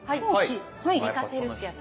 寝かせるってやつか。